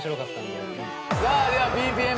さあではＢＰＭ